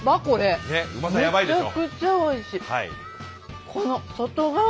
めちゃくちゃおいしい。